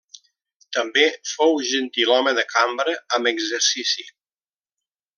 També fou gentilhome de Cambra amb Exercici.